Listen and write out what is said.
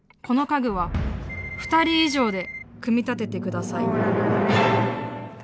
この家具は「２人以上で組み立てて下さい」。